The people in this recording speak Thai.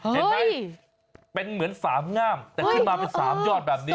เห็นไหมเป็นเหมือนสามงามแต่ขึ้นมาเป็น๓ยอดแบบนี้